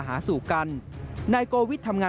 หลังไปมหาสู่กัน